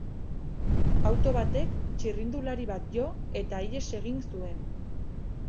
Auto batek txirrindulari bat jo, eta ihes egin zuen.